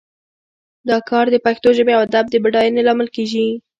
دا کار د پښتو ژبې او ادب د بډاینې لامل کیږي